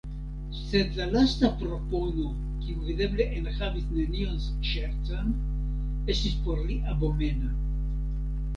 Sed la lasta propono, kiu videble enhavis nenion ŝercan, estis por li abomena.